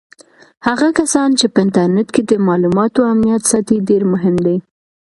هغه کسان چې په انټرنیټ کې د معلوماتو امنیت ساتي ډېر مهم دي.